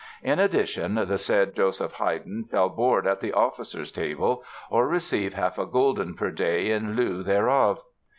In addition, the said Joseph Heyden shall board at the officers' table, or receive half a gulden per day in lieu thereof.